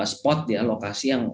spot ya lokasi yang